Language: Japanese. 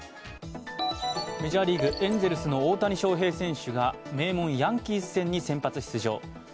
メジャーリーグ・エンゼルスの大谷翔平選手が、名門ヤンキース戦に先発出場。